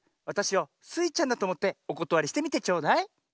わたしをスイちゃんだとおもっておことわりしてみてちょうだい。